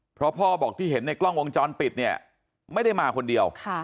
เพราะพ่อบอกที่เห็นในกล้องวงจรปิดเนี่ยไม่ได้มาคนเดียว